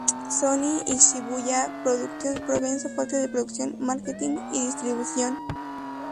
Sony y Shibuya Productions proveen soporte de producción, marketing y distribución.